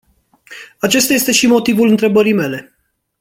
Acesta este și motivul întrebării mele.